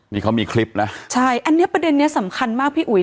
นี่เขามีคลิปนะใช่อันนี้ประเด็นนี้สำคัญมากพี่อุ๋ย